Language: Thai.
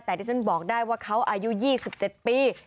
แต่ที่ฉันบอกได้ว่าเขาอายุ๒๗ปี